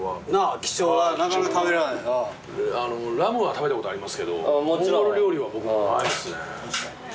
ラムは食べたことありますけどモンゴル料理は僕もないですね。